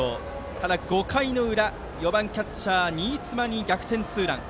ただ、５回の裏４番のキャッチャー新妻に逆転ツーラン。